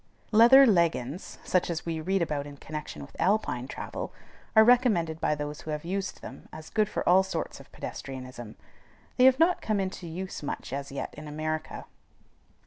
Leather leggins, such as we read about in connection with Alpine travel, are recommended by those who have used them as good for all sorts of pedestrianism. They have not come into use much as yet in America.